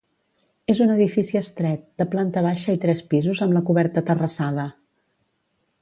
És un edifici estret, de planta baixa i tres pisos amb la coberta terrassada.